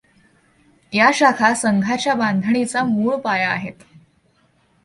या शाखा संघाच्या बांधणीचा मूळ पाया आहेत.